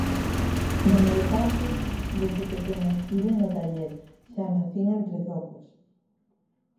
No meu caso, desde pequena estiven no taller, xa nacín entre zocos.